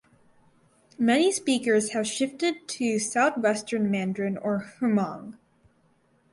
Many speakers have shifted to Southwestern Mandarin or Hmong.